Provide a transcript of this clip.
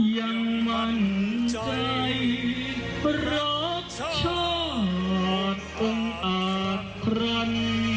ยังมั่นใจรักชาตุอาทรรณ